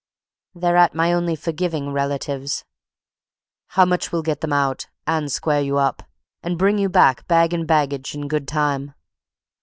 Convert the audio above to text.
"They're at my only forgiving relative's." "How much will get them out, and square you up, and bring you back bag and baggage in good time?"